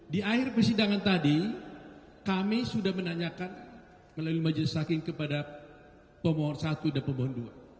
di akhir persidangan tadi kami sudah menanyakan melalui majelis hakim kepada pemohon satu dan pemohon dua